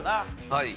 はい。